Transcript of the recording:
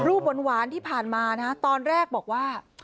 หวานที่ผ่านมานะตอนแรกบอกว่า